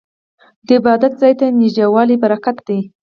د عبادت ځای ته نږدې والی برکت دی.